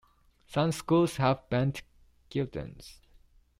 Some schools have banned Gideons.